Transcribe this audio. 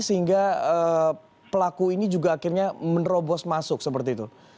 sehingga pelaku ini juga akhirnya menerobos masuk seperti itu